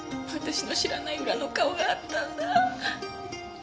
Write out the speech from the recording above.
私の知らない裏の顔があったんだ。